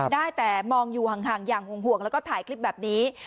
ได้แต่มองอยู่ห่างอย่างห่วงแล้วก็ถ่ายคลิปแบบนี้